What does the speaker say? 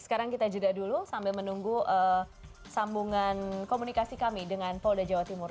sekarang kita jeda dulu sambil menunggu sambungan komunikasi kami dengan polda jawa timur